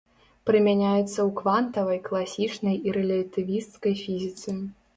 Прымяняецца ў квантавай, класічнай і рэлятывісцкай фізіцы.